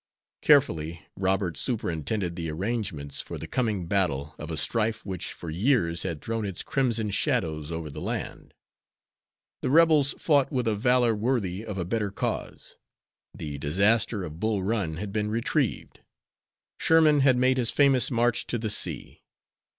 Carefully Robert superintended the arrangements for the coming battle of a strife which for years had thrown its crimson shadows over the land. The Rebels fought with a valor worthy of a better cause. The disaster of Bull Run had been retrieved. Sherman had made his famous march to the sea.